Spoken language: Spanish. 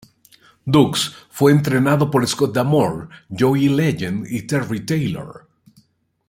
Dux fue entrenado por Scott D'Amore, Joe E. Legend y Terry Taylor.